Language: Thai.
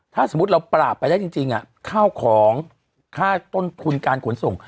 ถ้าสมมุติเราปราบไปได้จริงข้าวของค่าต้นทุนการขนส่ง